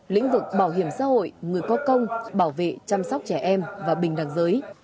lĩnh vực bảo hiểm xã hội người có công bảo vệ chăm sóc trẻ em và bình đẳng giới